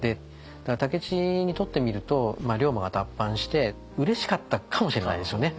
武市にとってみると龍馬が脱藩してうれしかったかもしれないですよね。